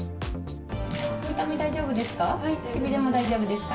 痛み大丈夫ですか？